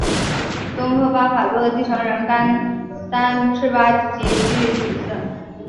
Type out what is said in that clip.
宗喀巴法座的继承人甘丹赤巴即居于此寺。